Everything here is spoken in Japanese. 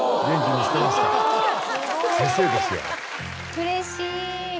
うれしい！